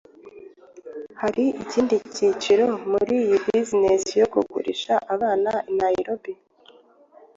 hari ikindi kiciro muri iyi business yo kugurisha abana i nairobi